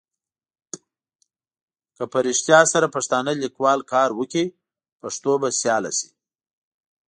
که په رېښتیا سره پښتانه لیکوال کار وکړي پښتو به سیاله سي.